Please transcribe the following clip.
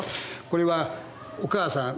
「これはお母さん」。